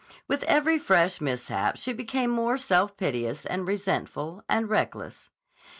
With every fresh mishap she became more self piteous and resentful and reckless.